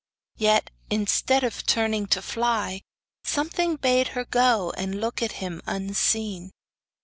Yet, instead of turning to fly, something bade her go and look at him unseen.